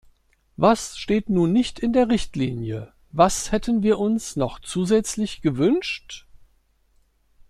Was steht nun nicht in der Richtlinie, was hätten wir uns noch zusätzlich gewünscht?